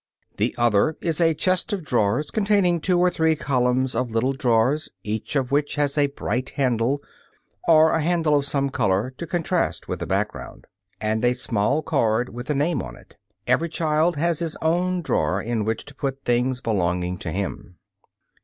The other is a chest of drawers containing two or three columns of little drawers, each of which has a bright handle (or a handle of some color to contrast with the background), and a small card with a name upon it. Every child has his own drawer, in which to put things belonging to him.